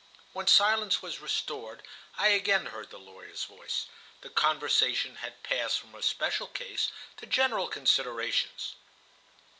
When silence was restored, I again heard the lawyer's voice. The conversation had passed from a special case to general considerations.